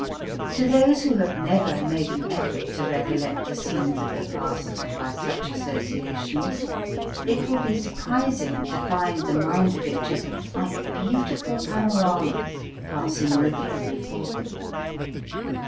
To those who have never made an effort to recol 86 MIND, MATTER lect the scenes of the past by such as sociaticKns it will be surprising to find the mind pictures like beautiful pano ramas pass in review before them*.